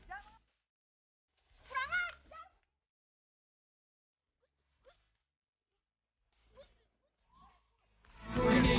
kayak gak percaya gapun sih